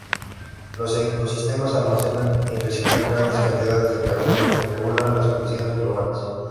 Los ecosistemas almacenan y reciclan grandes cantidades de carbono que regulan las condiciones globales.